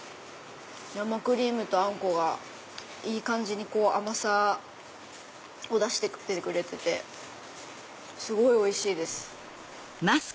生クリームとあんこがいい感じに甘さを出してくれててすごいおいしいです。